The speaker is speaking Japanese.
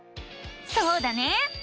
そうだね！